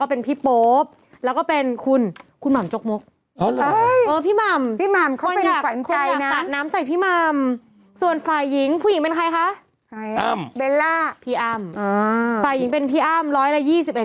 เออพี่ม่ำคนอยากตัดน้ำใส่พี่ม่ำส่วนฝ่ายหญิงผู้หญิงเป็นใครคะพี่อ้ำฝ่ายหญิงเป็นพี่อ้ำร้อยละ๒๑๓